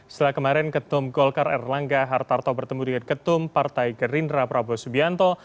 setelah kemarin ketum golkar erlangga hartarto bertemu dengan ketum partai gerindra prabowo subianto